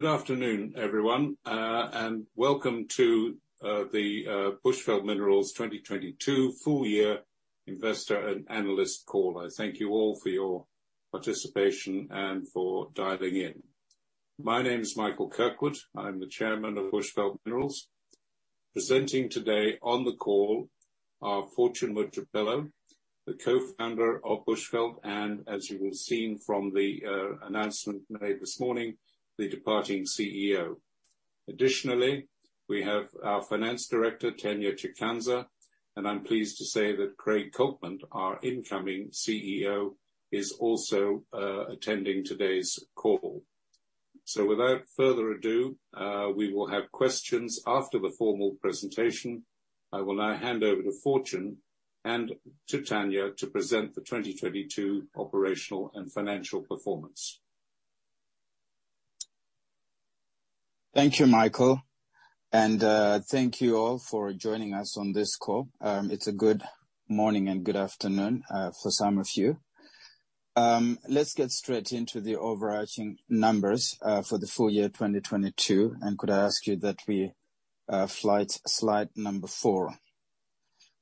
Good afternoon, everyone, and welcome to the Bushveld Minerals 2022 full year investor and analyst call. I thank you all for your participation and for dialing in. My name is Michael Kirkwood. I'm the Chairman of Bushveld Minerals. Presenting today on the call are Fortune Mojapelo, the Co-Founder of Bushveld, and as you will have seen from the announcement made this morning, the departing CEO. Additionally, we have our Finance Director, Tanya Chikanza, and I'm pleased to say that Craig Coltman, our Incoming CEO, is also attending today's call. Without further ado, we will have questions after the formal presentation. I will now hand over to Fortune and to Tanya to present the 2022 operational and financial performance. Thank you, Michael, and thank you all for joining us on this call. It's a good morning and good afternoon for some of you. Let's get straight into the overarching numbers for the full year, 2022. Could I ask you that we flight slide number four?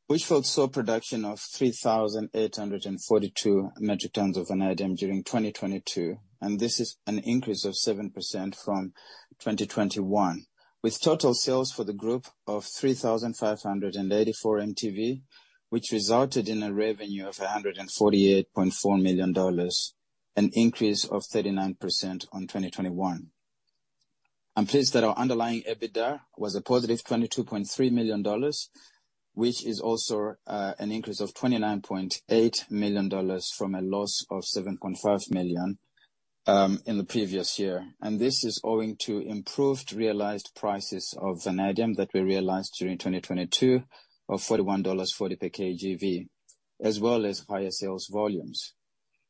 Bushveld saw production of 3,842 metric tons of vanadium during 2022. This is an increase of 7% from 2021, with total sales for the group of 3,584 mtV, which resulted in a revenue of $148.4 million, an increase of 39% on 2021. I'm pleased that our underlying EBITDA was a positive $22.3 million, which is also an increase of $29.8 million from a loss of $7.5 million in the previous year. This is owing to improved realized prices of vanadium that we realized during 2022 of $41 per kgV, as well as higher sales volumes.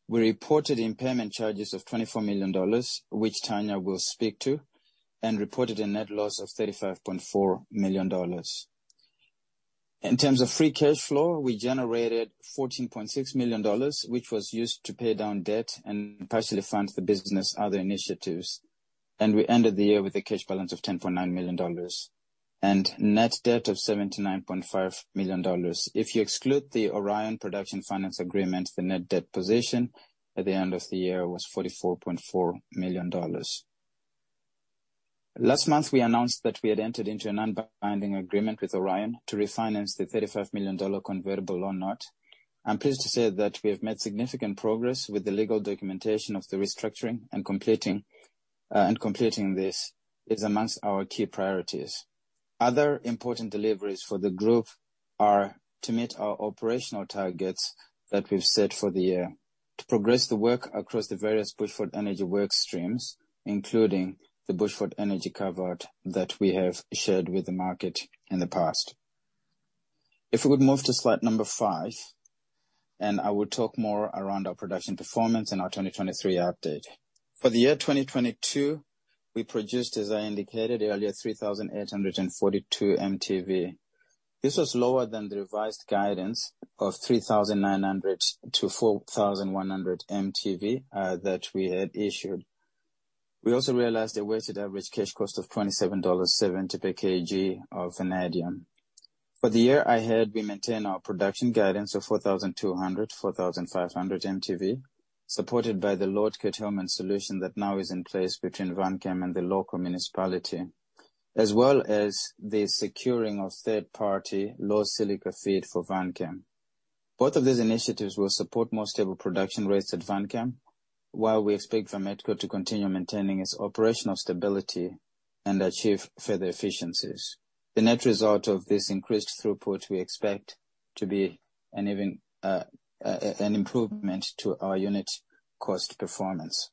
We reported impairment charges of $24 million, which Tanya will speak to, and reported a net loss of $35.4 million. In terms of free cash flow, we generated $14.6 million, which was used to pay down debt and partially fund the business other initiatives. We ended the year with a cash balance of $10.9 million and net debt of $79.5 million. If you exclude the Orion production finance agreement, the net debt position at the end of the year was $44.4 million. Last month, we announced that we had entered into a non-binding agreement with Orion to refinance the $35 million convertible loan note. I'm pleased to say that we have made significant progress with the legal documentation of the restructuring and completing this is amongst our key priorities. Other important deliveries for the group are to meet our operational targets that we've set for the year, to progress the work across the various Bushveld Energy work streams, including the Bushveld Energy Convert that we have shared with the market in the past. If we could move to slide number five, I will talk more around our production performance and our 2023 update. For the year 2022, we produced, as I indicated earlier, 3,842 mtV. This was lower than the revised guidance of 3,900-4,100 mtV that we had issued. We also realized a weighted average cash cost of $27.70 per kgV. For the year ahead, we maintain our production guidance of 4,200-4,500 mtV, supported by the load curtailment solution that now is in place between Vanchem and the local municipality, as well as the securing of third-party low silica feed for Vanchem. Both of these initiatives will support more stable production rates at Vanchem, while we expect Vametco to continue maintaining its operational stability and achieve further efficiencies. The net result of this increased throughput, we expect to be an even an improvement to our unit cost performance.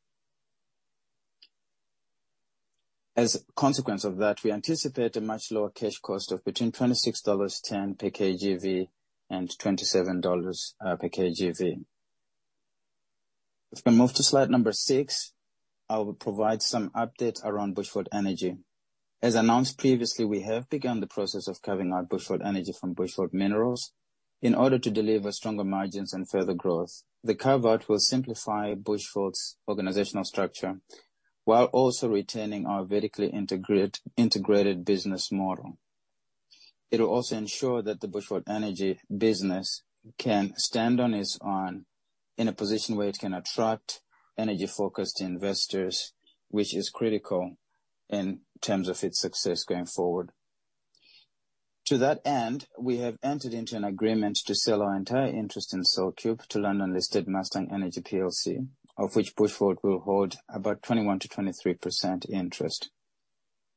We anticipate a much lower cash cost of between $26.10 per kgV and $27 per kgV. If we move to slide number 6, I will provide some updates around Bushveld Energy. We have begun the process of carving out Bushveld Energy from Bushveld Minerals in order to deliver stronger margins and further growth. The carve-out will simplify Bushveld's organizational structure while also retaining our vertically integrated business model. It will also ensure that the Bushveld Energy business can stand on its own in a position where it can attract energy-focused investors, which is critical in terms of its success going forward. To that end, we have entered into an agreement to sell our entire interest in CellCube to London-listed Mustang Energy PLC, of which Bushveld will hold about 21%-23% interest.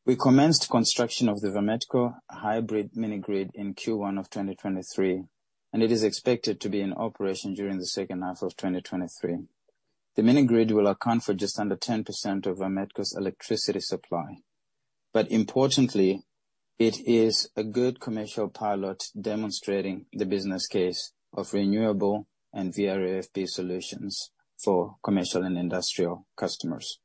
We commenced construction of the Vametco hybrid mini-grid in Q1 of 2023, and it is expected to be in operation during the second half of 2023. The mini-grid will account for just under 10% of Vametco's electricity supply, but importantly, it is a good commercial pilot demonstrating the business case of renewable and VRFB solutions for commercial and industrial customers.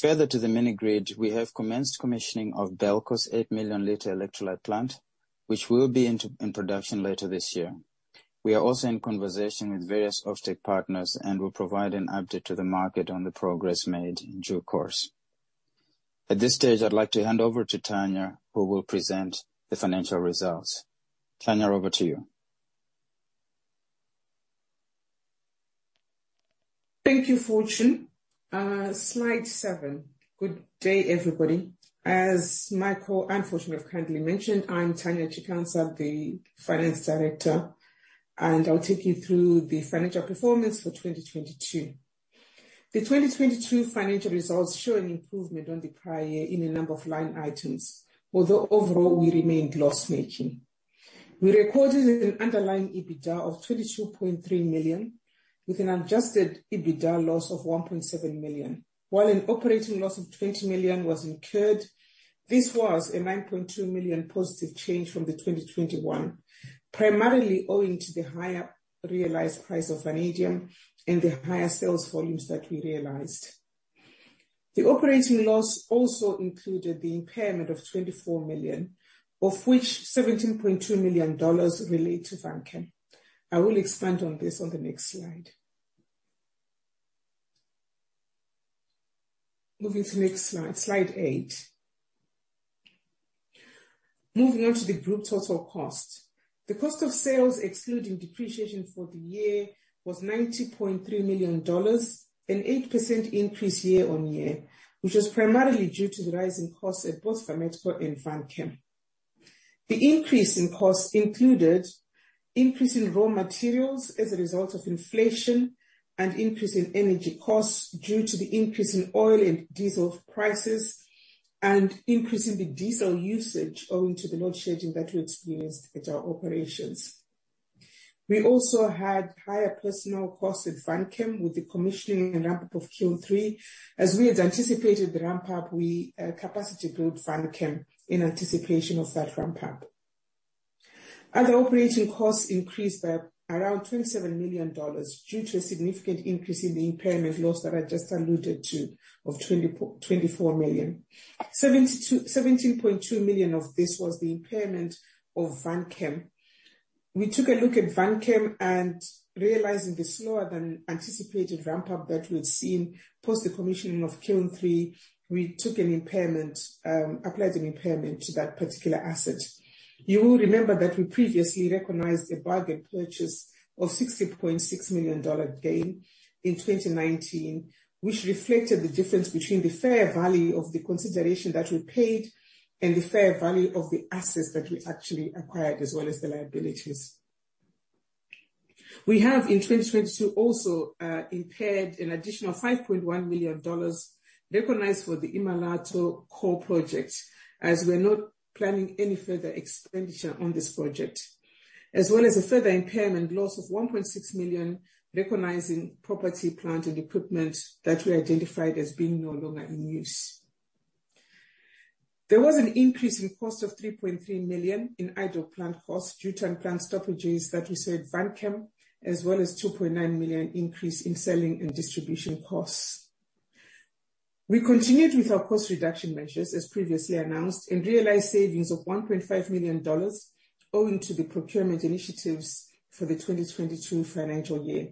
Further to the mini-grid, we have commenced commissioning of Belco's eight million liter electrolyte plant, which will be in production later this year. We are also in conversation with various off-take partners, we'll provide an update to the market on the progress made in due course. At this stage, I'd like to hand over to Tanya, who will present the financial results. Tanya, over to you. Thank you, Fortune. Slide 7. Good day, everybody. As Michael and Fortune have kindly mentioned, I'm Tanya Chikanza, the finance director, and I'll take you through the financial performance for 2022. The 2022 financial results show an improvement on the prior year in a number of line items. Overall, we remained loss-making. We recorded an underlying EBITDA of $22.3 million, with an adjusted EBITDA loss of $1.7 million. An operating loss of $20 million was incurred, this was a $9.2 million positive change from the 2021, primarily owing to the higher realized price of vanadium and the higher sales volumes that we realized. The operating loss also included the impairment of $24 million, of which $17.2 million relate to Vanchem. I will expand on this on the next slide. Moving to the next slide 8. Moving on to the group total cost. The cost of sales, excluding depreciation for the year, was $90.3 million, an 8% increase year-on-year, which was primarily due to the rising costs at both Vametco and Vanchem. The increase in costs included increase in raw materials as a result of inflation and increase in energy costs due to the increase in oil and diesel prices, and increase in the diesel usage owing to the load shedding that we experienced at our operations. We also had higher personnel costs at Vanchem, with the commissioning and ramp-up of Kiln three. As we had anticipated the ramp-up, we capacity grouped Vanchem in anticipation of that ramp-up. Other operating costs increased by around $27 million due to a significant increase in the impairment loss that I just alluded to of $24 million. $17.2 million of this was the impairment of Vanchem. We took a look at Vanchem and, realizing the slower-than-anticipated ramp-up that we'd seen post the commissioning of Q3, we took an impairment, applied an impairment to that particular asset. You will remember that we previously recognized a bargain purchase of $60.6 million gain in 2019, which reflected the difference between the fair value of the consideration that we paid and the fair value of the assets that we actually acquired, as well as the liabilities. We have, in 2022, also, impaired an additional $5.1 million, recognized for the Imaloto coal project, as we're not planning any further expenditure on this project, as well as a further impairment loss of $1.6 million, recognizing property, plant, and equipment that we identified as being no longer in use. There was an increase in cost of $3.3 million in idle plant costs due to unplanned stoppages that we saw at Vanchem, as well as $2.9 million increase in selling and distribution costs. We continued with our cost reduction measures, as previously announced, and realized savings of $1.5 million, owing to the procurement initiatives for the 2022 financial year.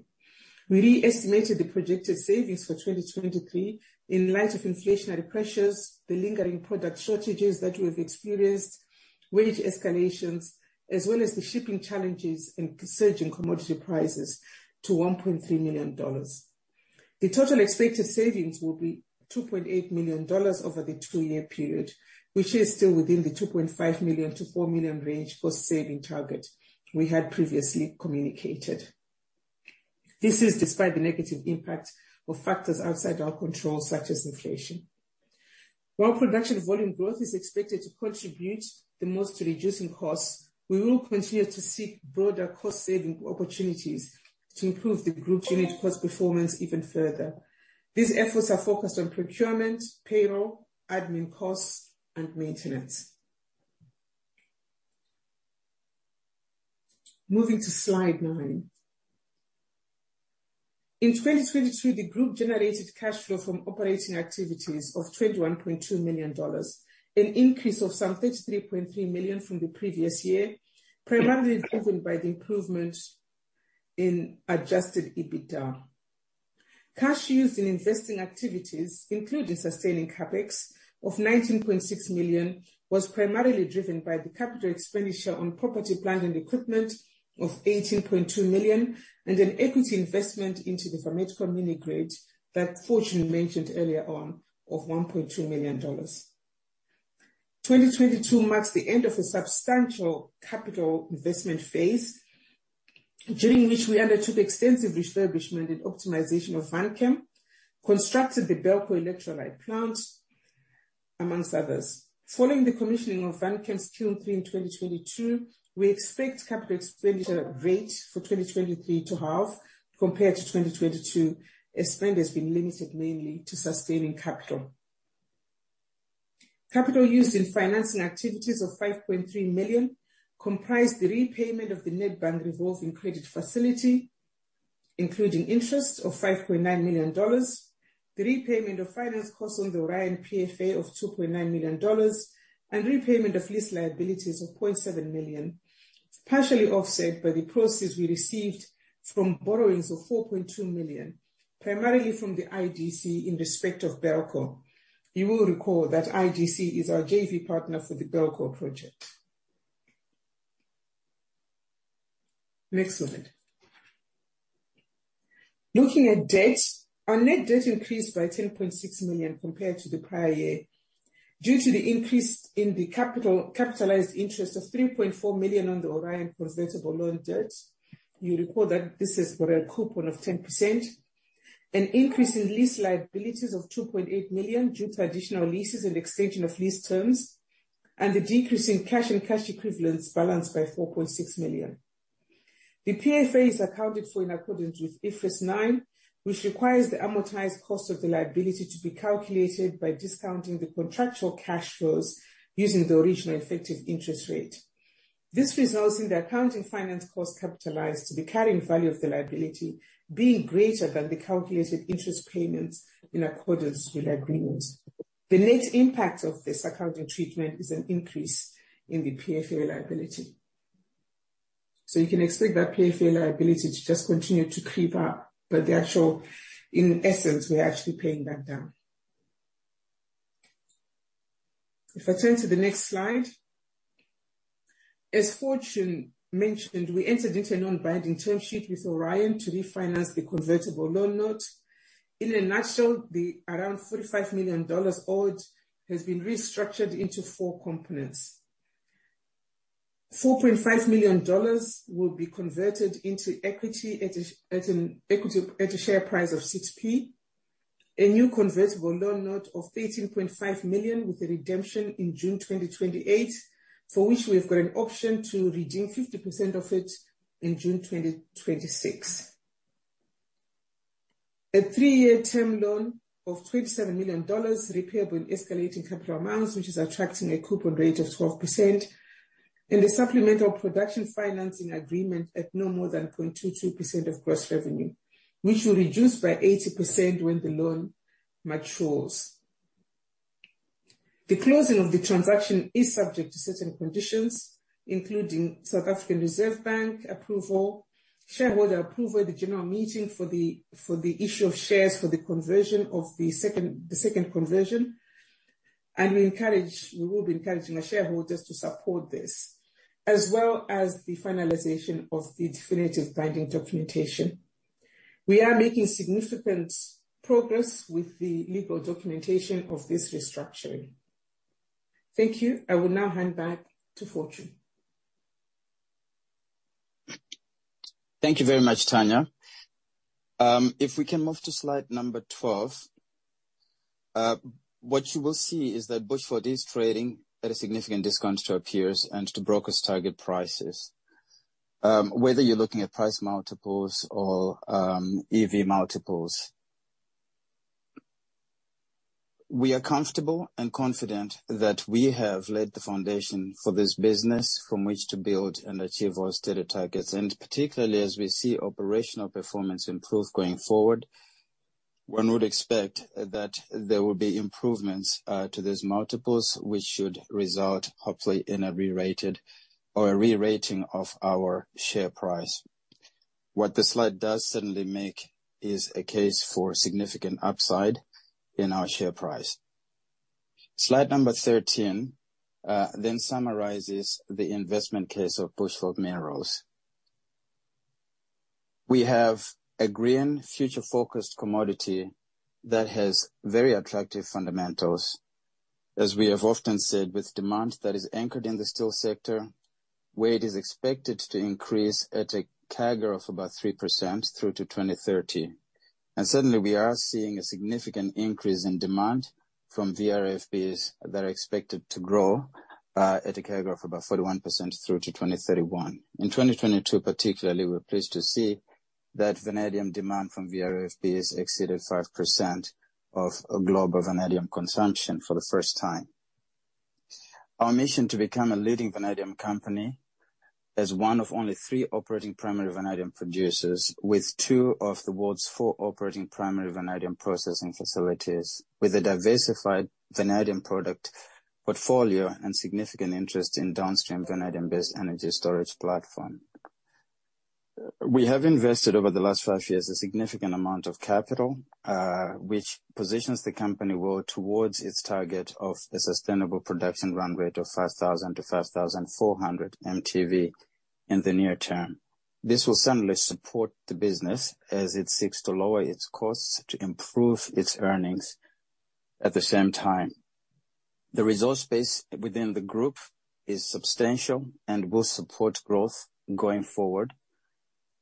We re-estimated the projected savings for 2023 in light of inflationary pressures, the lingering product shortages that we've experienced, wage escalations, as well as the shipping challenges and the surge in commodity prices to $1.3 million. The total expected savings will be $2.8 million over the two-year period, which is still within the $2.5 million-$4 million range cost saving target we had previously communicated. This is despite the negative impact of factors outside our control, such as inflation. While production volume growth is expected to contribute the most to reducing costs, we will continue to seek broader cost-saving opportunities to improve the group's unit cost performance even further. These efforts are focused on procurement, payroll, admin costs, and maintenance. Moving to slide 9. In 2022, the group generated cash flow from operating activities of $21.2 million, an increase of some $33.3 million from the previous year, primarily driven by the improvement in adjusted EBITDA. Cash used in investing activities, including sustaining CapEx of $19.6 million, was primarily driven by the capital expenditure on property, plant, and equipment of $18.2 million and an equity investment into the Vametco mini-grid that Fortune mentioned earlier on, of $1.2 million. 2022 marks the end of a substantial capital investment phase, during which we undertook extensive refurbishment and optimization of Vanchem, constructed the Belco electrolyte plant, amongst others. Following the commissioning of Vanchem's Q3 in 2022, we expect capital expenditure rate for 2023 to halve compared to 2022, as spend has been limited mainly to sustaining capital. Capital used in financing activities of $5.3 million comprised the repayment of the Nedbank revolving credit facility including interest of $5.9 million, the repayment of finance costs on the Orion PFA of $2.9 million, and repayment of lease liabilities of $0.7 million, partially offset by the proceeds we received from borrowings of $4.2 million, primarily from the IDC in respect of Belco. You will recall that IDC is our JV partner for the Belco project. Next slide. Looking at debt, our net debt increased by $10.6 million compared to the prior year, due to the increase in the capitalized interest of $3.4 million on the Orion convertible loan debt. You recall that this has got a coupon of 10%. An increase in lease liabilities of $2.8 million due to additional leases and extension of lease terms, and the decrease in cash and cash equivalents balanced by $4.6 million. The PFA is accounted for in accordance with IFRS 9, which requires the amortized cost of the liability to be calculated by discounting the contractual cash flows using the original effective interest rate. This results in the accounting finance cost capitalized to the carrying value of the liability being greater than the calculated interest payments in accordance with agreements. The net impact of this accounting treatment is an increase in the PFA liability. You can expect that PFA liability to just continue to creep up, but the actual, in essence, we are actually paying that down. I turn to the next slide. As Fortune mentioned, we entered into a non-binding term sheet with Orion to refinance the convertible loan note. In a nutshell, the around $45 million owed has been restructured into four components. $4.5 million will be converted into equity at a share price of 6p. A new convertible loan note of $18.5 million, with a redemption in June 2028, for which we've got an option to redeem 50% of it in June 2026. A 3-year term loan of $27 million, repayable in escalating capital amounts, which is attracting a coupon rate of 12%. A supplemental production financing agreement at no more than 0.22% of gross revenue, which will reduce by 80% when the loan matures. The closing of the transaction is subject to certain conditions, including South African Reserve Bank approval, shareholder approval at the general meeting for the issue of shares, for the conversion of the second conversion. We will be encouraging our shareholders to support this, as well as the finalization of the definitive binding documentation. We are making significant progress with the legal documentation of this restructuring. Thank you. I will now hand back to Fortune. Thank you very much, Tanya. If we can move to slide number 12, what you will see is that Bushveld is trading at a significant discount to our peers and to brokers' target prices. Whether you're looking at price multiples or EV multiples. We are comfortable and confident that we have laid the foundation for this business from which to build and achieve our stated targets, and particularly as we see operational performance improve going forward, one would expect that there will be improvements to those multiples, which should result hopefully in a rerated or a rerating of our share price. What the slide does certainly make is a case for significant upside in our share price. Slide number 13 summarizes the investment case of Bushveld Minerals. We have a green, future-focused commodity that has very attractive fundamentals, as we have often said, with demand that is anchored in the steel sector, where it is expected to increase at a CAGR of about 3% through to 2030. Certainly, we are seeing a significant increase in demand from VRFBs that are expected to grow at a CAGR of about 41% through to 2031. In 2022, particularly, we're pleased to see that vanadium demand from VRFBs exceeded 5% of global vanadium consumption for the first time. Our mission to become a leading vanadium company is one of only three operating primary vanadium producers, with two of the world's four operating primary vanadium processing facilities, with a diversified vanadium product portfolio and significant interest in downstream vanadium-based energy storage platform. We have invested over the last five years, a significant amount of capital, which positions the company well towards its target of a sustainable production run rate of 5,000 to 5,400 mtV in the near term. This will certainly support the business as it seeks to lower its costs to improve its earnings at the same time. The resource base within the group is substantial and will support growth going forward.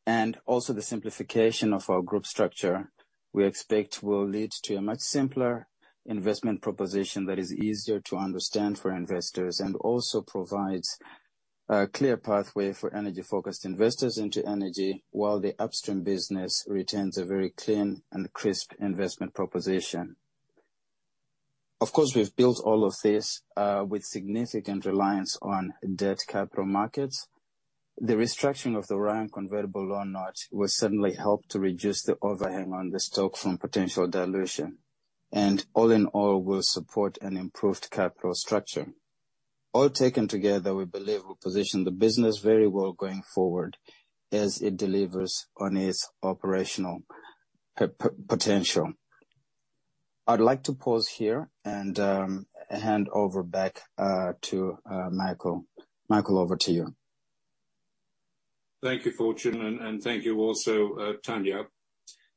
The simplification of our group structure, we expect will lead to a much simpler investment proposition that is easier to understand for investors, and also provides a clear pathway for energy-focused investors into energy, while the upstream business retains a very clean and crisp investment proposition. Of course, we've built all of this with significant reliance on debt capital markets. The restructuring of the Orion convertible loan note will certainly help to reduce the overhang on the stock from potential dilution, and all in all, will support an improved capital structure. All taken together, we believe will position the business very well going forward as it delivers on its operational potential. I'd like to pause here and hand over back to Michael. Michael, over to you. Thank you, Fortune, and thank you also, Tanya.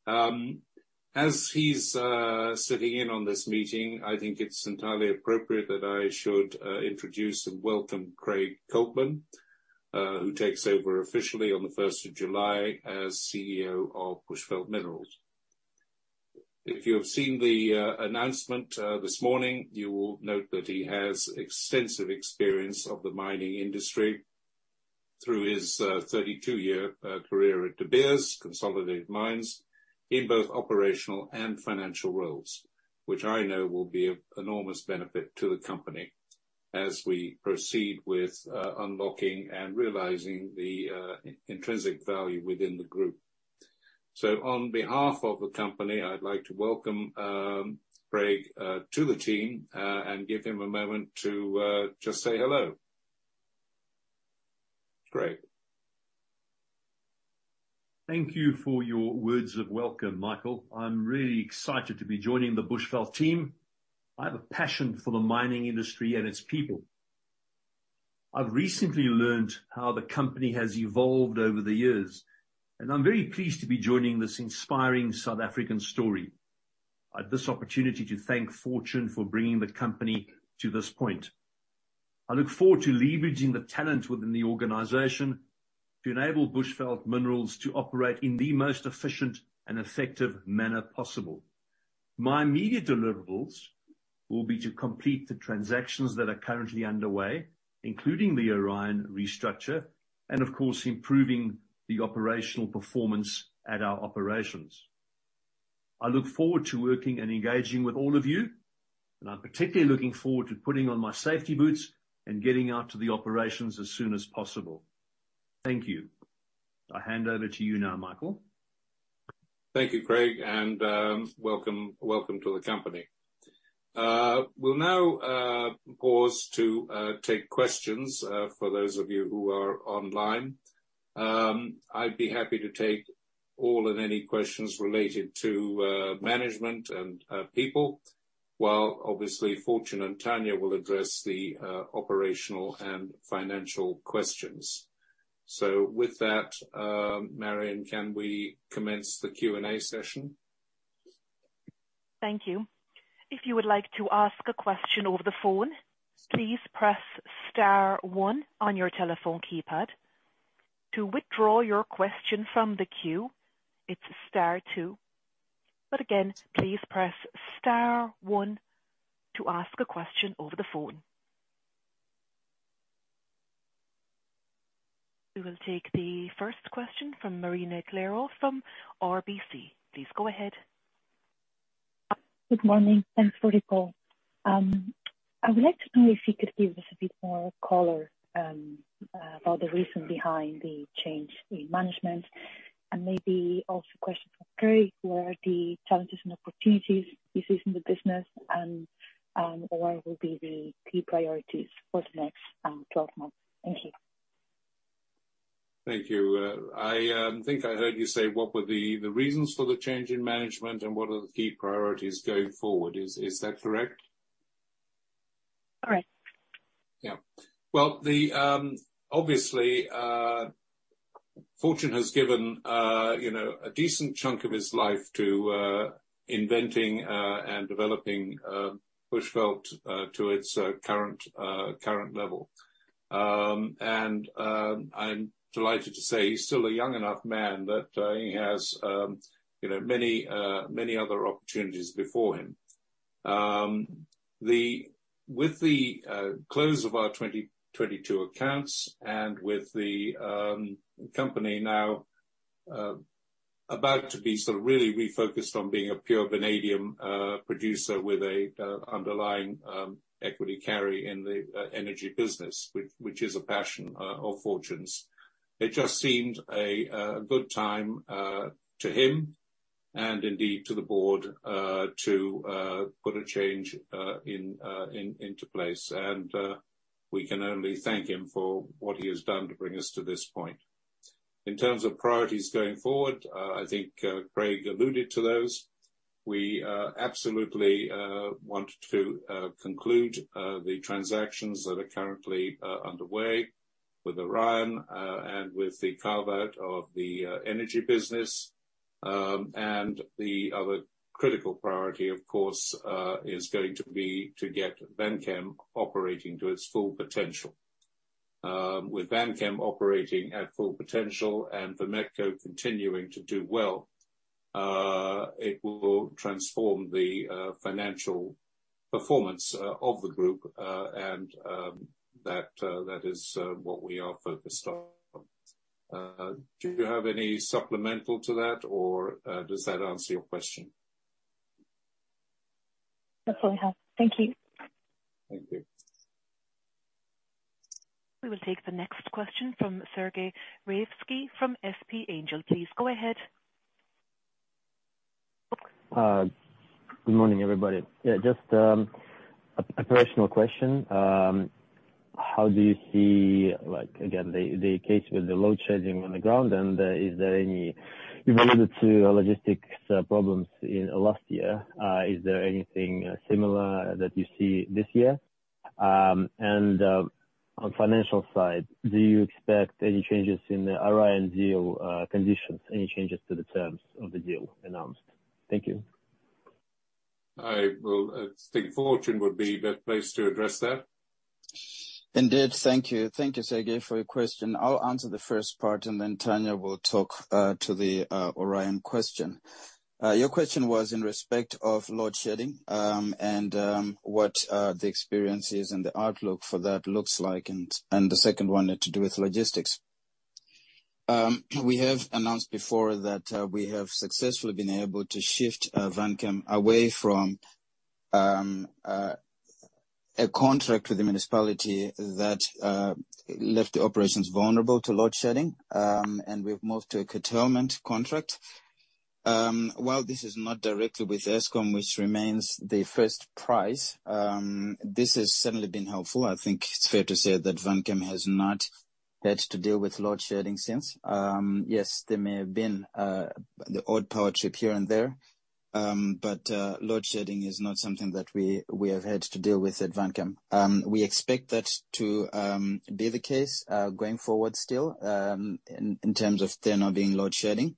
As he's sitting in on this meeting, I think it's entirely appropriate that I should introduce and welcome Craig Coltman, who takes over officially on the 1st of July as CEO of Bushveld Minerals. If you have seen the announcement this morning, you will note that he has extensive experience of the mining industry through his 32-year career at De Beers Consolidated Mines in both operational and financial roles, which I know will be of enormous benefit to the company as we proceed with unlocking and realizing the intrinsic value within the group. On behalf of the company, I'd like to welcome Craig to the team and give him a moment to just say hello. Craig? Thank you for your words of welcome, Michael. I'm really excited to be joining the Bushveld team. I have a passion for the mining industry and its people. I've recently learned how the company has evolved over the years, and I'm very pleased to be joining this inspiring South African story. I have this opportunity to thank Fortune for bringing the company to this point. I look forward to leveraging the talent within the organization to enable Bushveld Minerals to operate in the most efficient and effective manner possible. My immediate deliverables will be to complete the transactions that are currently underway, including the Orion restructure and, of course, improving the operational performance at our operations. I look forward to working and engaging with all of you, and I'm particularly looking forward to putting on my safety boots and getting out to the operations as soon as possible. Thank you. I hand over to you now, Michael. Thank you, Craig, and welcome to the company. We'll now pause to take questions for those of you who are online. I'd be happy to take all and any questions related to management and people, while obviously Fortune and Tanya will address the operational and financial questions. With that, Marian, can we commence the Q&A session? Thank you. If you would like to ask a question over the phone, please press star one on your telephone keypad. To withdraw your question from the queue, it's star 2. Again, please press star 1 to ask a question over the phone. We will take the first question from Marina Calero from RBC. Please go ahead. Good morning. Thanks for the call. I would like to know if you could give us a bit more color about the reason behind the change in management, and maybe also a question for Craig, what are the challenges and opportunities he sees in the business and what will be the key priorities for the next 12 months? Thank you. Thank you. I think I heard you say, what were the reasons for the change in management and what are the key priorities going forward. Is that correct? Correct. Yeah. Well, obviously, Fortune has given, you know, a decent chunk of his life to inventing and developing Bushveld to its current level. And I'm delighted to say he's still a young enough man that he has, you know, many other opportunities before him. se of our 2022 accounts and with the company now about to be sort of really refocused on being a pure vanadium producer with an underlying equity carry in the energy business, which is a passion of Fortune's, it just seemed a good time to him and indeed to the board to put a change into place. We can only thank him for what he has done to bring us to this point. In terms of priorities going forward, I think Craig alluded to those. We absolutely want to conclude the transactions that are currently underway with Orion and with the carve-out of the energy business. The other critical priority, of course, is going to be to get Vanchem operating to its full potential. With Vanchem operating at full potential and the Vametco continuing to do well, it will transform the financial performance of the group, and that is what we are focused on. Do you have any supplemental to that, or does that answer your question? Definitely, yeah. Thank you. Thank you. We will take the next question from Sergey Raevskiy from SP Angel. Please go ahead. Good morning, everybody. Yeah, just a personal question. How do you see, like, again, the case with the load shedding on the ground, is there any, related to logistics, problems in last year, is there anything similar that you see this year? On financial side, do you expect any changes in the Orion deal, conditions, any changes to the terms of the deal announced? Thank you. I will, I think Fortune would be best placed to address that. Indeed, thank you. Thank you, Sergey Raevskiy, for your question. I'll answer the first part, then Tanya Chikanza will talk to the Orion question. Your question was in respect of load shedding, and what the experience is and the outlook for that looks like, and the second one had to do with logistics. We have announced before that we have successfully been able to shift Vanchem away from a contract with the municipality that left the operations vulnerable to load shedding. We've moved to a curtailment contract. While this is not directly with Eskom, which remains the first price, this has certainly been helpful. I think it's fair to say that Vanchem has not had to deal with load shedding since. Yes, there may have been the odd power trip here and there, but load shedding is not something that we have had to deal with at Vanchem. We expect that to be the case going forward still, in terms of there not being load shedding.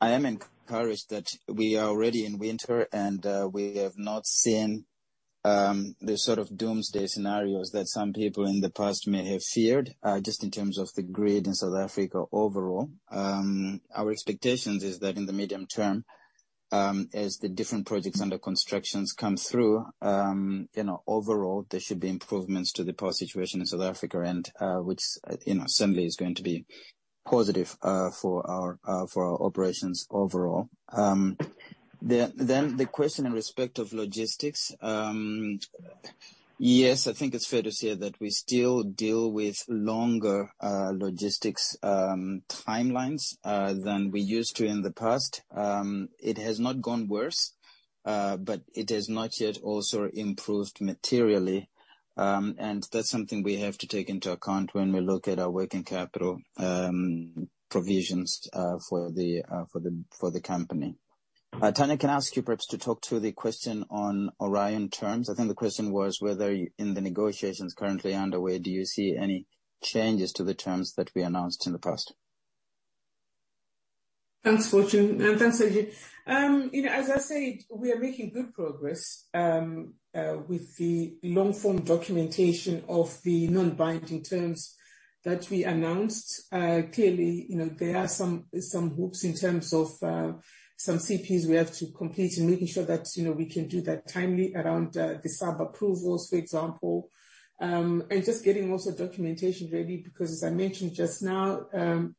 I am encouraged that we are already in winter, we have not seen the sort of doomsday scenarios that some people in the past may have feared, just in terms of the grid in South Africa overall. Our expectations is that in the medium term, as the different projects under constructions come through, you know, overall, there should be improvements to the power situation in South Africa, which, you know, certainly is going to be positive for our operations overall. The question in respect of logistics, yes, I think it's fair to say that we still deal with longer logistics timelines than we used to in the past. It has not gone worse, but it has not yet also improved materially, and that's something we have to take into account when we look at our working capital provisions for the company. Tanya, can I ask you perhaps to talk to the question on Orion terms? I think the question was whether in the negotiations currently underway, do you see any changes to the terms that we announced in the past? Thanks, Fortune, and thanks, Sergey. You know, as I said, we are making good progress with the long-form documentation of the non-binding terms that we announced. Clearly, you know, there are some hoops in terms of some CPs we have to complete in making sure that, you know, we can do that timely around the sub-approvals, for example. Just getting also documentation ready, because as I mentioned just now,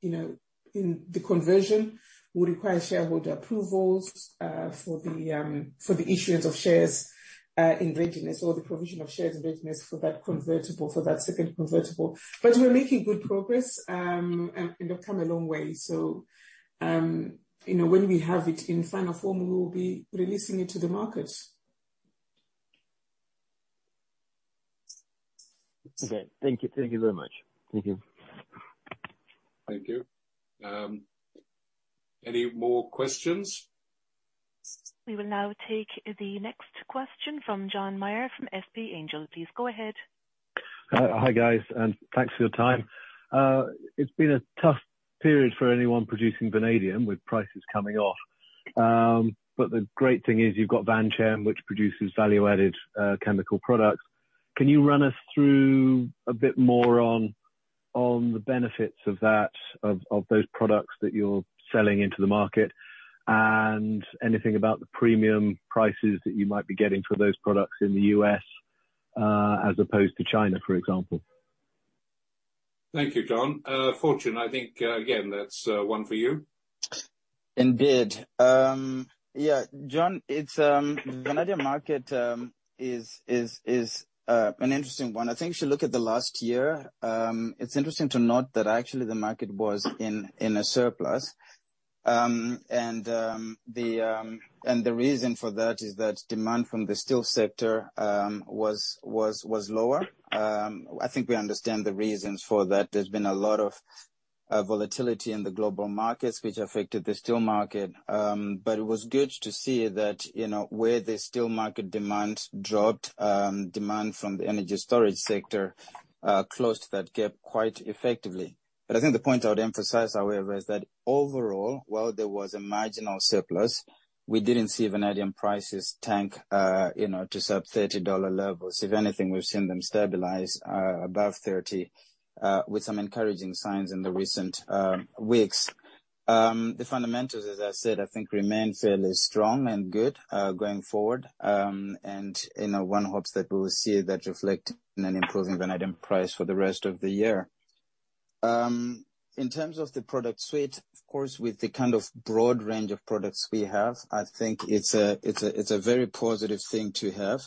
you know, in the conversion would require shareholder approvals for the issuance of shares in readiness or the provision of shares in readiness for that convertible, for that second convertible. We're making good progress, and come a long way. You know, when we have it in final form, we will be releasing it to the market. Okay. Thank you. Thank you very much. Thank you. Thank you. Any more questions? We will now take the next question from John Meyer from SP Angel. Please go ahead. Hi, guys, thanks for your time. It's been a tough period for anyone producing vanadium with prices coming off. The great thing is you've got Vanchem, which produces value-added chemical products. Can you run us through a bit more on the benefits of those products that you're selling into the market? Anything about the premium prices that you might be getting for those products in the U.S., as opposed to China, for example? Thank you, John. Fortune, I think, again, that's one for you. Indeed. Yeah, John, it's vanadium market is an interesting one. I think if you look at the last year, it's interesting to note that actually the market was in a surplus. The reason for that is that demand from the steel sector was lower. I think we understand the reasons for that. There's been a lot of volatility in the global markets, which affected the steel market. It was good to see that, you know, where the steel market demand dropped, demand from the energy storage sector closed that gap quite effectively. I think the point I would emphasize, however, is that overall, while there was a marginal surplus, we didn't see vanadium prices tank, you know, to sub $30 levels. If anything, we've seen them stabilize above 30 with some encouraging signs in the recent weeks. The fundamentals, as I said, I think remain fairly strong and good going forward. You know, one hopes that we will see that reflect in an improving vanadium price for the rest of the year. In terms of the product suite, of course, with the kind of broad range of products we have, I think it's a very positive thing to have.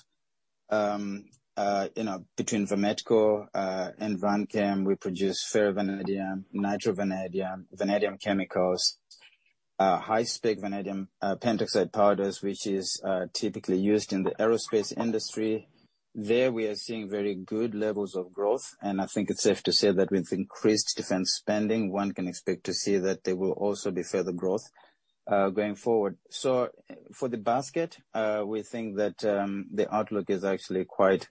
You know, between Vametco and Vanchem, we produce ferrovanadium, nitro-vanadium, vanadium chemicals, high spec vanadium pentoxide powders, which is typically used in the aerospace industry. There, we are seeing very good levels of growth. I think it's safe to say that with increased defense spending, one can expect to see that there will also be further growth going forward. For the basket, we think that the outlook is actually quite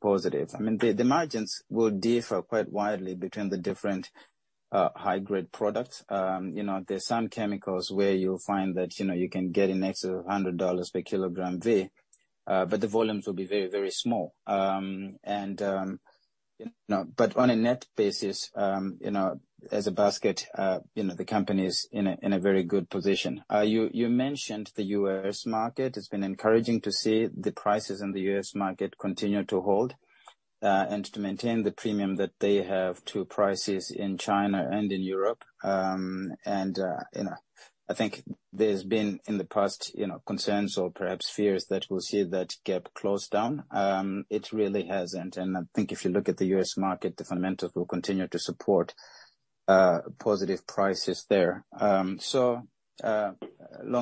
positive. I mean, the margins will differ quite widely between the different high grid products. You know, there's some chemicals where you'll find that, you know, you can get in excess of $100 per kilogram there, but the volumes will be very, very small. You know, on a net basis, you know, as a basket, you know, the company is in a very good position. You mentioned the U.S. market. It's been encouraging to see the prices in the U.S. market continue to hold and to maintain the premium that they have to prices in China and in Europe. You know, I think there's been, in the past, you know, concerns or perhaps fears that we'll see that gap close down. It really hasn't, and I think if you look at the U.S. market, the fundamentals will continue to support positive prices there. Long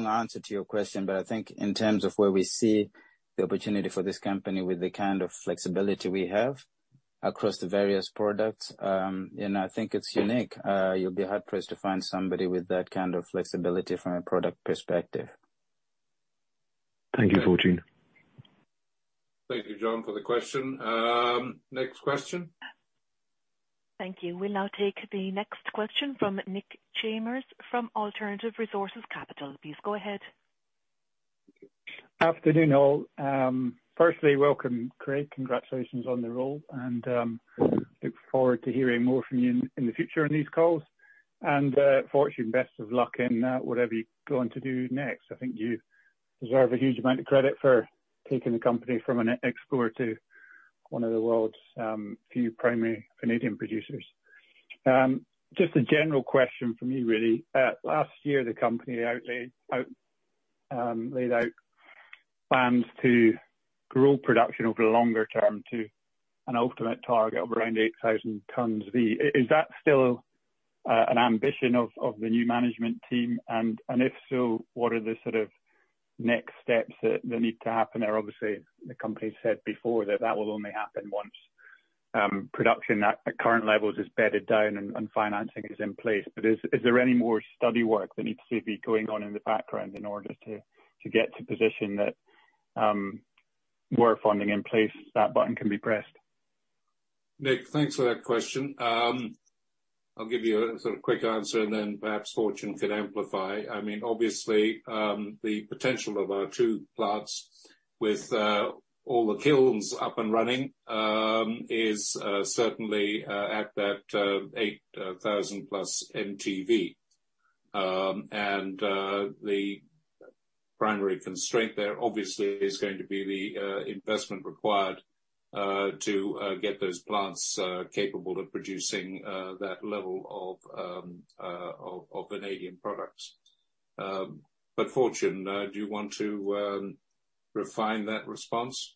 answer to your question, but I think in terms of where we see the opportunity for this company with the kind of flexibility we have across the various products, you know, I think it's unique. You'll be hard-pressed to find somebody with that kind of flexibility from a product perspective. Thank you, Fortune. Thank you, John, for the question. Next question? Thank you. We'll now take the next question from Nick Chambers, from Alternative Resource Capital. Please go ahead. Afternoon, all. Firstly, welcome, Craig. Congratulations on the role, and look forward to hearing more from you in the future on these calls. Fortune, best of luck in whatever you're going to do next. I think you deserve a huge amount of credit for taking the company from an e-explorer to one of the world's few primary vanadium producers. Just a general question from me, really. Last year, the company laid out plans to grow production over the longer term to an ultimate target of around 8,000 tons V. Is that still an ambition of the new management team? If so, what are the sort of next steps that need to happen there? Obviously, the company said before that that will only happen once, production at current levels is bedded down and financing is in place. Is there any more study work that needs to be going on in the background in order to get to a position that where funding in place, that button can be pressed? Nick, thanks for that question. I'll give you a sort of quick answer, and then perhaps Fortune could amplify. I mean, obviously, the potential of our two plants with all the kilns up and running is certainly at that 8,000+ mtV. The primary constraint there obviously is going to be the investment required to get those plants capable of producing that level of vanadium products. Fortune, do you want to refine that response?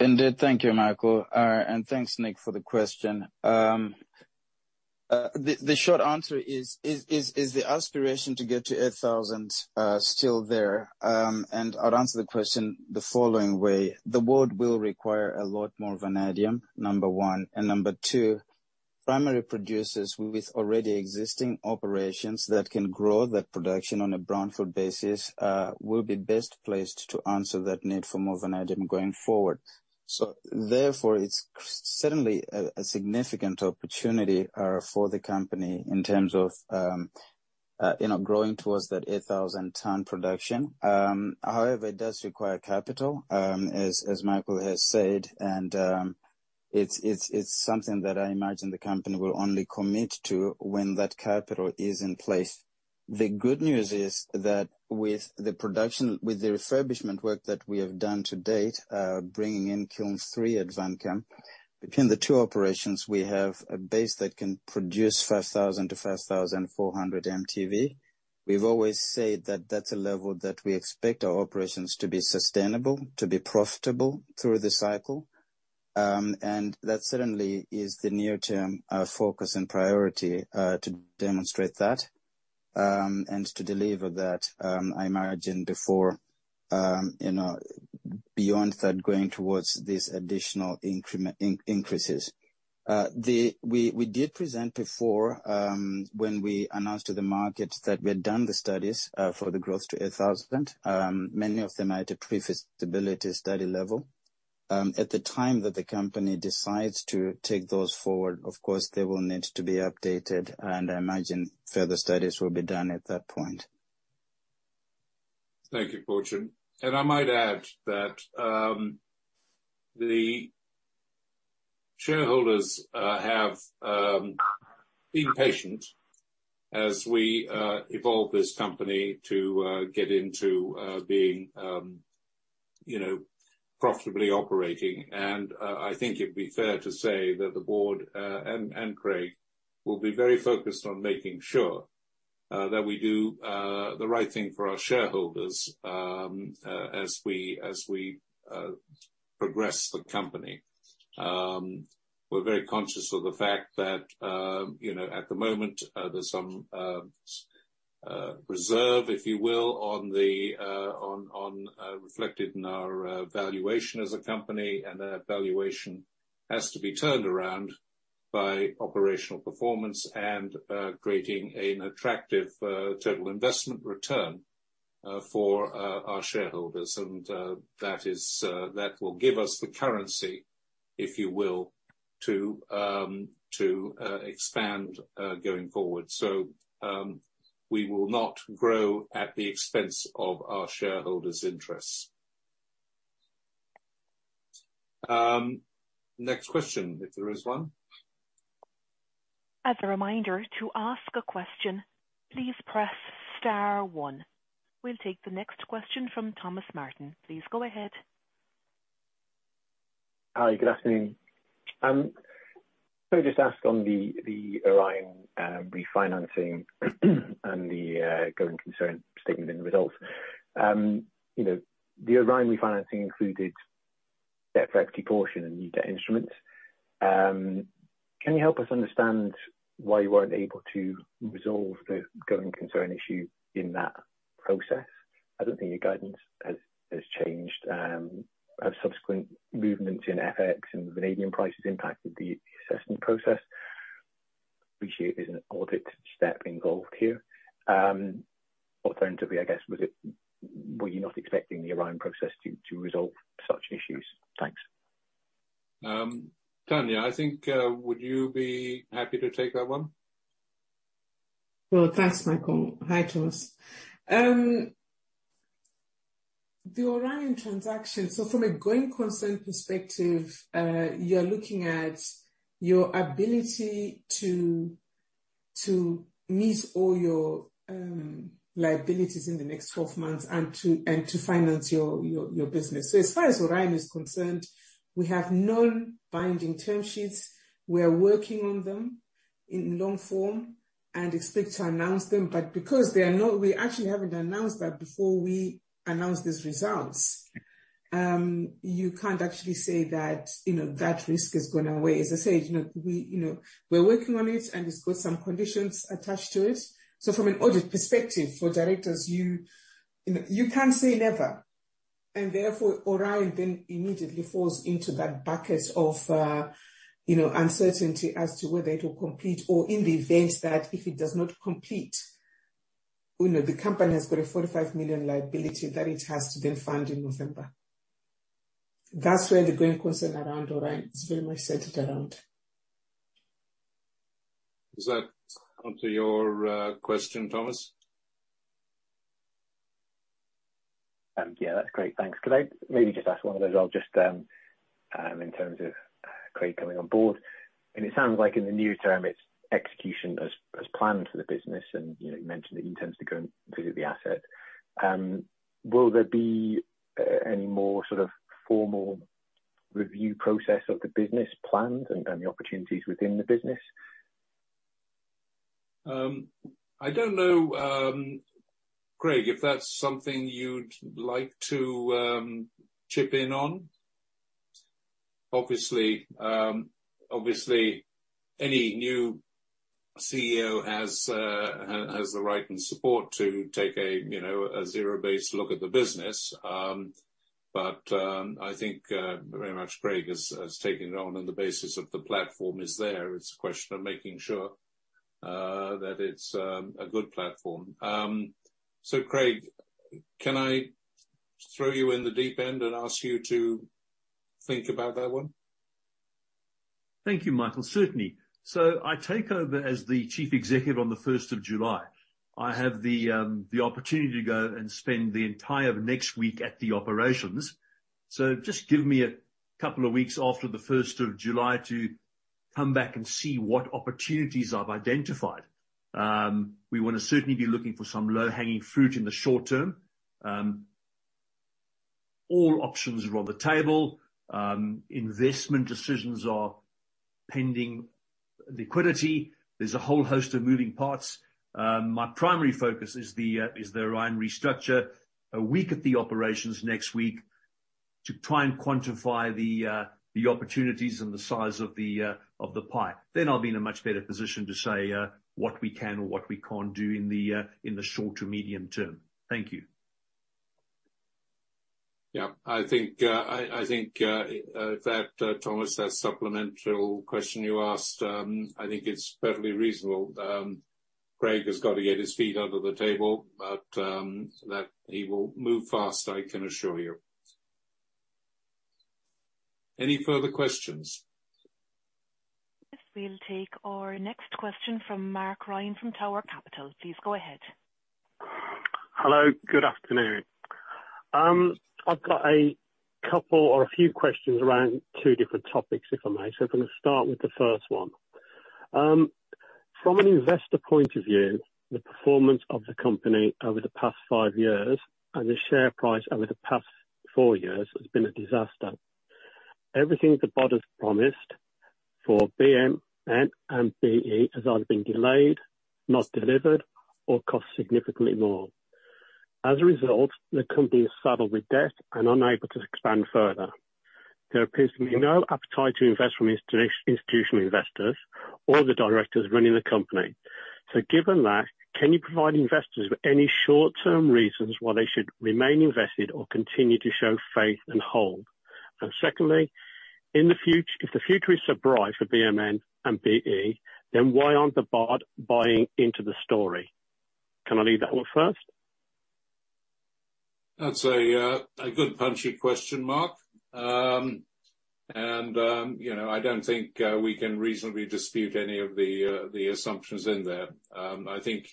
Indeed. Thank you, Michael, and thanks, Nick, for the question. The short answer is the aspiration to get to 8,000, still there? I'll answer the question the following way. The world will require a lot more vanadium, number 1, and number 2, primary producers with already existing operations that can grow that production on a brownfield basis, will be best placed to answer that need for more vanadium going forward. Therefore, it's certainly a significant opportunity, for the company in terms of, you know, growing towards that 8,000 ton production. It does require capital, as Michael has said, and it's something that I imagine the company will only commit to when that capital is in place. The good news is that with the refurbishment work that we have done to date, bringing in Kiln 3 at Vanchem, between the two operations, we have a base that can produce 5,000 to 5,400 mtV. We've always said that that's a level that we expect our operations to be sustainable, to be profitable through the cycle. That certainly is the near-term, focus and priority, to demonstrate that, and to deliver that, I imagine before, you know, beyond that, going towards these additional increases. We did present before, when we announced to the market that we had done the studies, for the growth to 8,000, many of them are at a pre-feasibility study level. At the time that the company decides to take those forward, of course, they will need to be updated, and I imagine further studies will be done at that point. Thank you, Fortune. I might add that the shareholders have been patient as we evolve this company to get into, you know, profitably operating. I think it'd be fair to say that the board and Craig will be very focused on making sure that we do the right thing for our shareholders as we progress the company. We're very conscious of the fact that, you know, at the moment, there's some reserve, if you will, on the reflected in our valuation as a company, and that valuation has to be turned around by operational performance and creating an attractive total investment return for our shareholders. That is, that will give us the currency, if you will, to, expand, going forward. We will not grow at the expense of our shareholders' interests. Next question, if there is one. As a reminder, to ask a question, please press star one. We'll take the next question from Thomas Martin. Please go ahead. Hi, good afternoon. Can I just ask on the Orion refinancing and the going concern statement and results. You know, the Orion refinancing included debt-equity portion and new debt instruments. Can you help us understand why you weren't able to resolve the going concern issue in that process? I don't think your guidance has changed. Have subsequent movements in FX and vanadium prices impacted the assessment process? Which here is an audit step involved here. Alternatively, I guess, was it, were you not expecting the Orion process to resolve such issues? Thanks. Tanya, I think, would you be happy to take that one? Well, thanks, Michael. Hi, Thomas. The Orion transaction, so from a going concern perspective, you're looking at your ability to meet all your liabilities in the next 12 months and to finance your business. As far as Orion is concerned, we have non-binding term sheets. We are working on them in long form and expect to announce them, but because they are not, we actually haven't announced that before we announce these results, you can't actually say that, you know, that risk is gone away. As I said, you know, we're working on it, and it's got some conditions attached to it. From an audit perspective, for directors, you know, you can't say never. Therefore, Orion then immediately falls into that bucket of, you know, uncertainty as to whether it will complete or in the event that if it does not complete, you know, the company has got a $45 million liability that it has to then fund in November. That's where the going concern around Orion is very much centered around. Does that answer your question, Thomas? Yeah, that's great. Thanks. Could I maybe just ask one of those as well, just, in terms of Craig coming on board, and it sounds like in the near term, it's execution as planned for the business, and, you know, you mentioned that he intends to go and visit the asset. Will there be any more sort of formal review process of the business planned and the opportunities within the business? I don't know, Craig, if that's something you'd like to chip in on? Obviously, obviously, any new CEO has the right and support to take a, you know, a zero-based look at the business. I think, very much Craig has taken it on the basis of the platform is there. It's a question of making sure that it's a good platform. Craig, can I throw you in the deep end and ask you to think about that one? Thank you, Michael. Certainly. I take over as the chief executive on the 1st of July. I have the opportunity to go and spend the entire next week at the operations, so just give me a couple of weeks after the 1st of July to come back and see what opportunities I've identified. We want to certainly be looking for some low-hanging fruit in the short term. All options are on the table. Investment decisions are pending liquidity. There's a whole host of moving parts. My primary focus is the Orion restructure. A week at the operations next week to try and quantify the opportunities and the size of the pie. I'll be in a much better position to say, what we can or what we can't do in the in the short to medium term. Thank you. Yeah. I think that Thomas, that supplemental question you asked, I think it's perfectly reasonable. Craig has got to get his feet under the table, but that he will move fast, I can assure you. Any further questions? We'll take our next question from Mark Ryan from Tower Capital. Please go ahead. Hello, good afternoon. I've got a couple or a few questions around 2 different topics, if I may. I'm gonna start with the first one. From an investor point of view, the performance of the company over the past 5 years and the share price over the past 4 years has been a disaster. Everything the board has promised for BMN and BE has either been delayed, not delivered, or cost significantly more. As a result, the company is saddled with debt and unable to expand further. There appears to be no appetite to invest from institutional investors or the directors running the company. Given that, can you provide investors with any short-term reasons why they should remain invested or continue to show faith and hold? Secondly, if the future is so bright for BMN and BE, why aren't the board buying into the story? Can I leave that one first? That's a good, punchy question, Mark. You know, I don't think we can reasonably dispute any of the assumptions in there. I think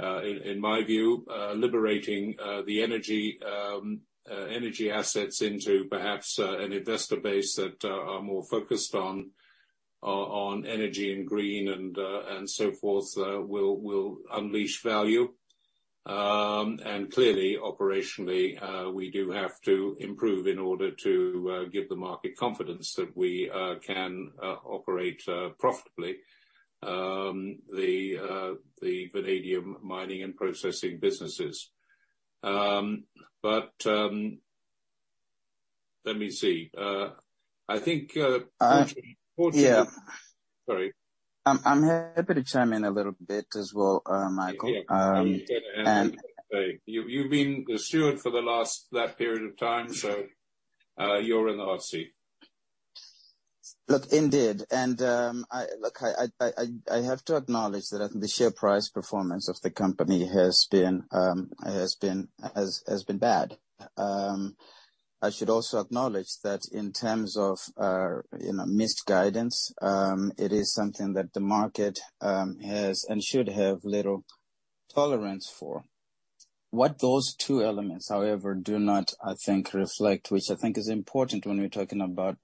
in my view, liberating the energy assets into perhaps an investor base that are more focused on energy and green and so forth, will unleash value. Clearly, operationally, we do have to improve in order to give the market confidence that we can operate profitably the vanadium mining and processing businesses. Let me see. I think. Yeah. Sorry. I'm happy to chime in a little bit as well, Michael. You, you've been the steward for the last... that period of time, so, you're in the hot seat. Look, indeed, I have to acknowledge that the share price performance of the company has been bad. I should also acknowledge that in terms of, you know, missed guidance, it is something that the market has and should have little tolerance for. What those two elements, however, do not, I think, reflect, which I think is important when we're talking about,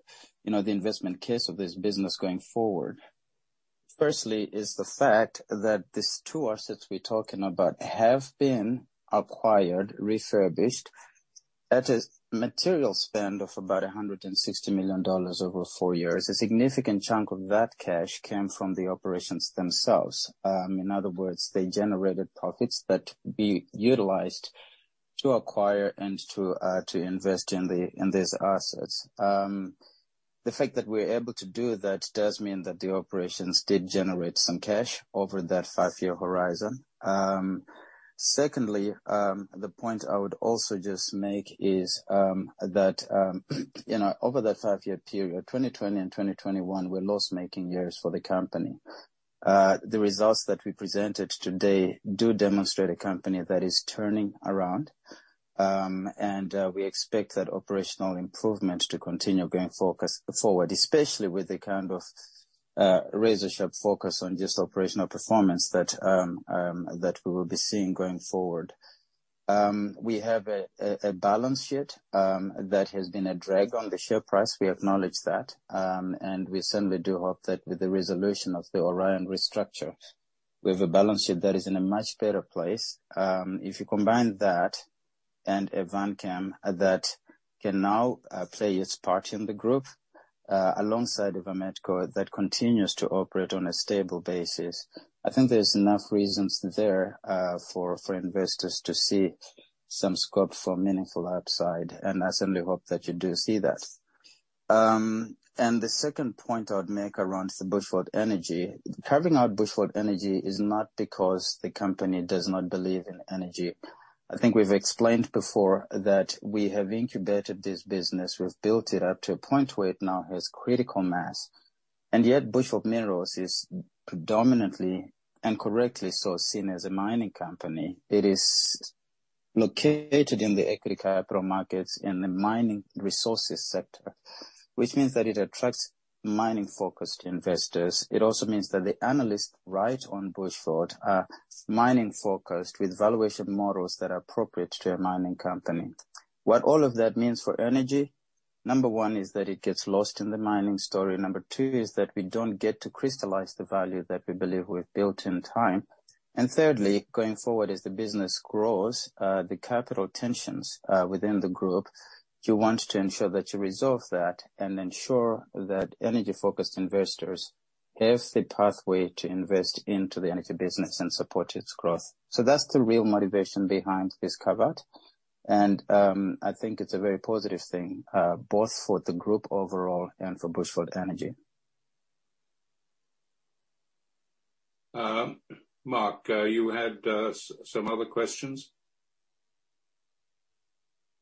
you know, the investment case of this business going forward. Firstly, is the fact that these two assets we're talking about have been acquired, refurbished, at a material spend of about $160 million over 4 years. A significant chunk of that cash came from the operations themselves. In other words, they generated profits that we utilized to acquire and to invest in these assets. The fact that we're able to do that does mean that the operations did generate some cash over that five-year horizon. Secondly, the point I would also just make is that, you know, over that five-year period, 2020 and 2021 were loss-making years for the company. The results that we presented today do demonstrate a company that is turning around, and we expect that operational improvement to continue going forward, especially with the kind of razor-sharp focus on just operational performance that we will be seeing going forward. We have a balance sheet that has been a drag on the share price. We acknowledge that, we certainly do hope that with the resolution of the Orion restructure, we have a balance sheet that is in a much better place. If you combine that and a Vanchem that can now play its part in the group alongside of a Vametco that continues to operate on a stable basis, I think there's enough reasons there for investors to see some scope for meaningful upside, and I certainly hope that you do see that. The second point I'd make around the Bushveld Energy, carving out Bushveld Energy is not because the company does not believe in energy. I think we've explained before that we have incubated this business. We've built it up to a point where it now has critical mass, and yet Bushveld Minerals is predominantly and correctly so seen as a mining company. It is located in the equity capital markets in the mining resources sector, which means that it attracts mining-focused investors. It also means that the analysts right on Bushveld are mining-focused, with valuation models that are appropriate to a mining company. What all of that means for energy, number one, is that it gets lost in the mining story. Number two is that we don't get to crystallize the value that we believe we've built in time. Thirdly, going forward, as the business grows, the capital tensions within the group, you want to ensure that you resolve that and ensure that energy-focused investors have the pathway to invest into the energy business and support its growth. That's the real motivation behind this carve-out, and I think it's a very positive thing, both for the group overall and for Bushveld Energy. Mark, you had some other questions?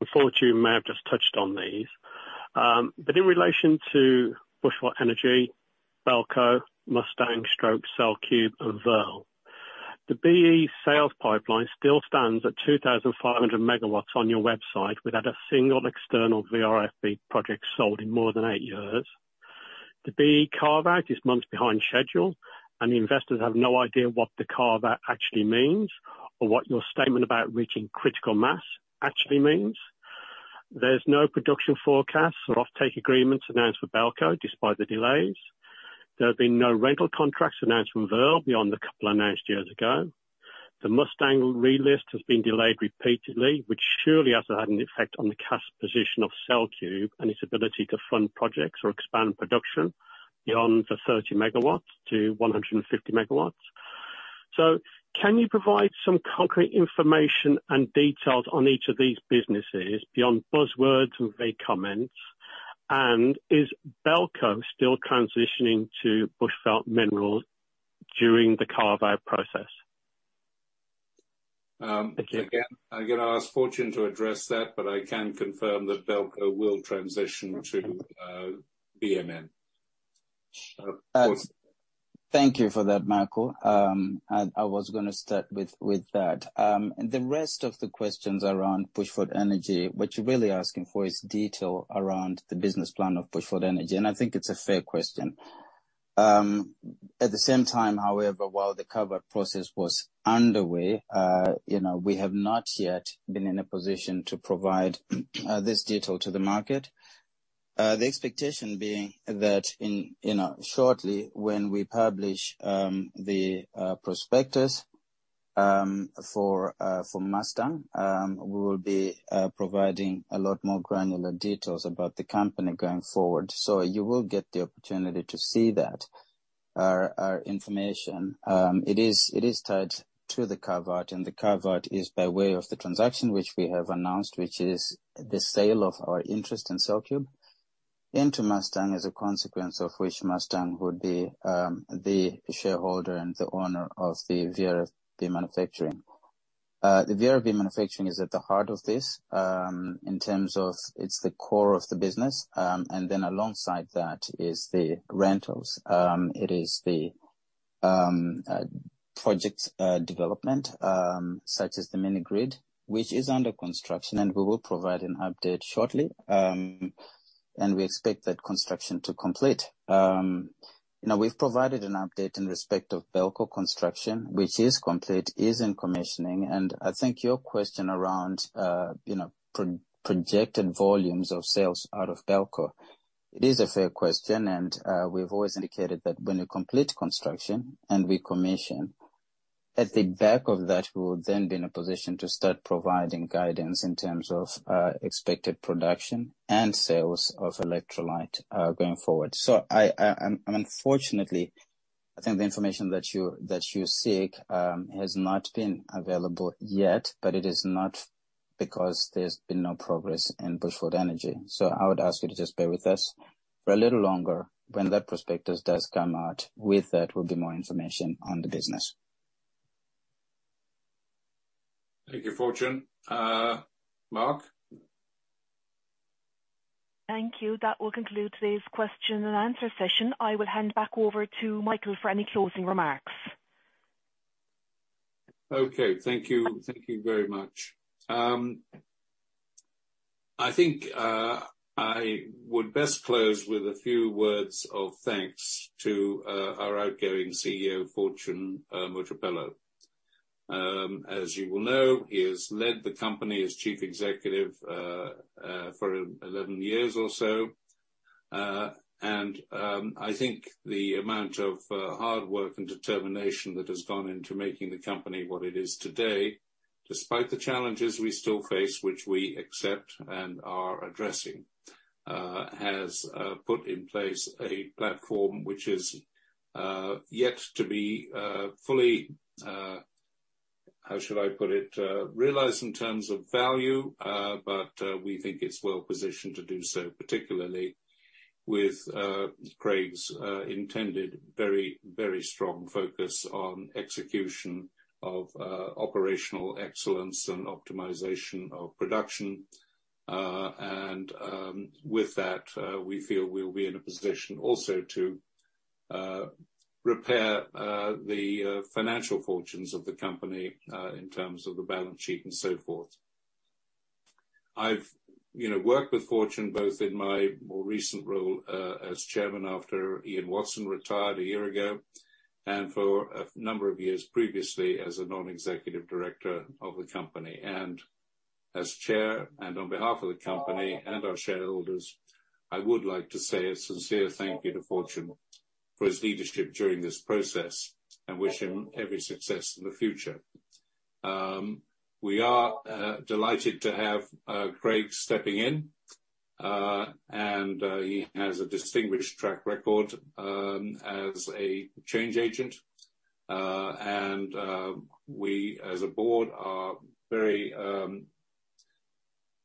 Before you may have just touched on these, but in relation to Bushveld Energy, Belco, Mustang stroke CellCube, and VERL. The BE sales pipeline still stands at 2,500 megawatts on your website, without a single external VRFB project sold in more than eight years. The BE carve-out is months behind schedule, and investors have no idea what the carve-out actually means, or what your statement about reaching critical mass actually means. There's no production forecast or offtake agreements announced for Belco, despite the delays. There have been no rental contracts announced from VERL beyond the couple announced years ago. The Mustang relist has been delayed repeatedly, which surely has to have an effect on the cash position of CellCube and its ability to fund projects or expand production beyond the 30 megawatts to 150 megawatts. Can you provide some concrete information and details on each of these businesses beyond buzzwords and vague comments? Is Belco still transitioning to Bushveld Minerals during the carve-out process? Thank you. I'm gonna ask Fortune to address that, but I can confirm that Belco will transition to BMN. Fortune? Thank you for that, Michael. I was gonna start with that. The rest of the questions around Bushveld Energy, what you're really asking for is detail around the business plan of Bushveld Energy. I think it's a fair question. At the same time, however, while the carve-out process was underway, you know, we have not yet been in a position to provide this detail to the market. The expectation being that in, you know, shortly, when we publish the prospectus for Mustang, we will be providing a lot more granular details about the company going forward. You will get the opportunity to see that. Our information, it is tied to the carve-out. The carve-out is by way of the transaction which we have announced, which is the sale of our interest in CellCube into Mustang, as a consequence of which Mustang would be the shareholder and the owner of the VRFB manufacturing. The VRFB manufacturing is at the heart of this, in terms of it's the core of the business. Alongside that is the rentals. It is the project development, such as the mini-grid, which is under construction. We will provide an update shortly. We expect that construction to complete. Now we've provided an update in respect of Belco construction, which is complete, is in commissioning, and I think your question around, you know, projected volumes of sales out of Belco, it is a fair question, and we've always indicated that when you complete construction and we commission, at the back of that, we'll then be in a position to start providing guidance in terms of expected production and sales of electrolyte going forward. Unfortunately, I think the information that you seek has not been available yet, but it is not because there's been no progress in Bushveld Energy. I would ask you to just bear with us for a little longer. When that prospectus does come out, with that will be more information on the business. Thank you, Fortune. Mark? Thank you. That will conclude today's question and answer session. I will hand back over to Michael for any closing remarks. Thank you very much. I think I would best close with a few words of thanks to our outgoing CEO, Fortune Mojapelo. As you will know, he has led the company as Chief Executive for 11 years or so. I think the amount of hard work and determination that has gone into making the company what it is today, despite the challenges we still face, which we accept and are addressing, has put in place a platform which is yet to be fully, how should I put it? Realized in terms of value, but we think it's well positioned to do so, particularly with Craig's intended very, very strong focus on execution of operational excellence and optimization of production. With that, we feel we'll be in a position also to repair the financial fortunes of the company in terms of the balance sheet and so forth. I've, you know, worked with Fortune both in my more recent role as chairman, after Ian Watson retired a year ago, and for a number of years previously as a non-executive director of the company. As chair, on behalf of the company and our shareholders, I would like to say a sincere thank you to Fortune for his leadership during this process, and wish him every success in the future. We are delighted to have Craig Copeland stepping in, and he has a distinguished track record as a change agent. We, as a board, are very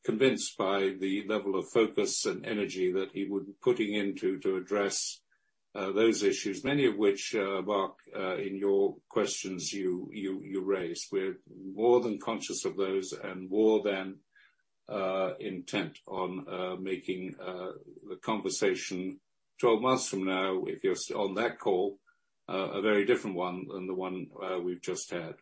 convinced by the level of focus and energy that he would be putting into to address those issues, many of which, Mark, in your questions, you raised. We're more than conscious of those and more than intent on making the conversation 12 months from now, if you're on that call, a very different one than the one we've just had.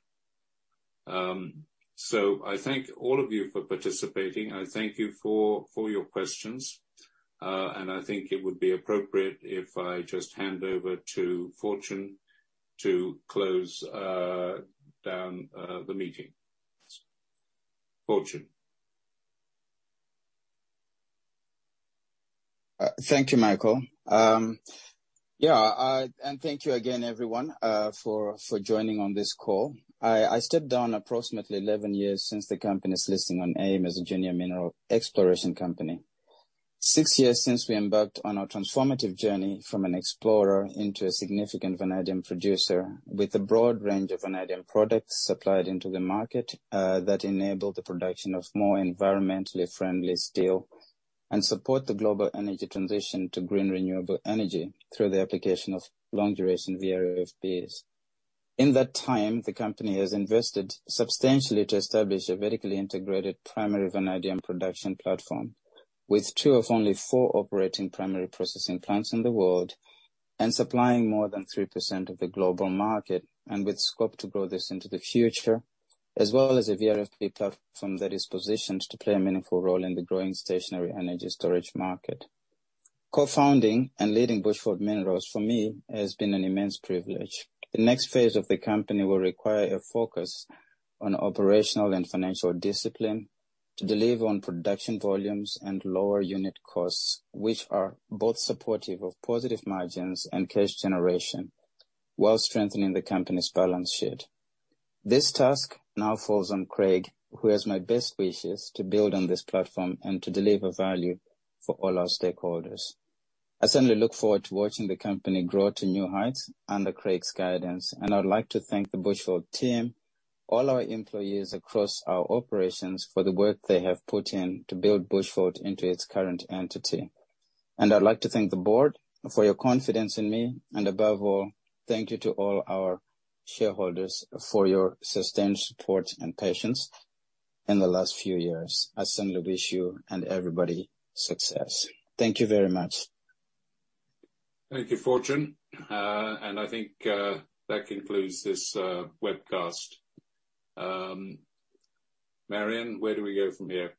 I thank all of you for participating, and I thank you for your questions. I think it would be appropriate if I just hand over to Fortune to close down the meeting. Fortune? Thank you, Michael. Thank you again, everyone, for joining on this call. I stepped down approximately 11 years since the company's listing on AIM as a junior mineral exploration company. Six years since we embarked on our transformative journey from an explorer into a significant vanadium producer with a broad range of vanadium products supplied into the market, that enable the production of more environmentally friendly steel, and support the global energy transition to green renewable energy through the application of long-duration VRFBs. In that time, the company has invested substantially to establish a vertically integrated primary vanadium production platform, with two of only four operating primary processing plants in the world, and supplying more than 3% of the global market, and with scope to grow this into the future, as well as a VRFB platform that is positioned to play a meaningful role in the growing stationary energy storage market. Co-founding and leading Bushveld Minerals, for me, has been an immense privilege. The next phase of the company will require a focus on operational and financial discipline to deliver on production volumes and lower unit costs, which are both supportive of positive margins and cash generation while strengthening the company's balance sheet. This task now falls on Craig, who has my best wishes to build on this platform and to deliver value for all our stakeholders. I certainly look forward to watching the company grow to new heights under Craig's guidance. I'd like to thank the Bushveld team, all our employees across our operations for the work they have put in to build Bushveld into its current entity. I'd like to thank the board for your confidence in me, above all, thank you to all our shareholders for your sustained support and patience in the last few years. I simply wish you and everybody success. Thank you very much. Thank you, Fortune. I think that concludes this webcast. Marion, where do we go from here?